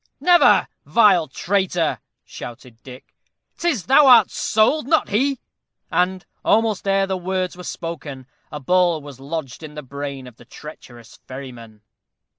"Never! vile traitor," shouted Dick; "'tis thou art sold, not he;" and, almost ere the words were spoken, a ball was lodged in the brain of the treacherous ferryman.